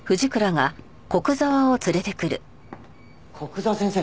古久沢先生。